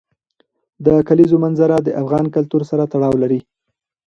د کلیزو منظره د افغان کلتور سره تړاو لري.